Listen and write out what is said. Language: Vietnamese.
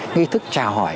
nghi thức trả hỏi